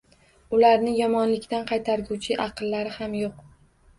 Ularni yomonlikdan qaytarguvchi aqllari ham yo‘q